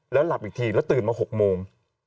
แล้วหลับอีกทีแล้วตื่นมา๖โมง